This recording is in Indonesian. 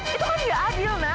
itu kan nggak adil na